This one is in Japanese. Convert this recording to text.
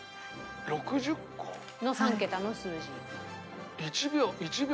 ６０個？の３桁の数字。